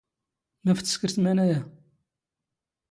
ⵎⴰⴼ ⵜⵙⴽⵔⵜ ⵎⴰⵏ ⴰⵢⴰ?